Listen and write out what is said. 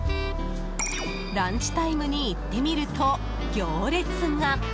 ランチタイムに行ってみると行列が。